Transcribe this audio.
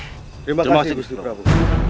terima kasih gusti prabu